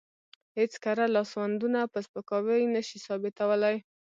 هېڅ کره لاسوندونه په سپکاوي نشي ثابتولی.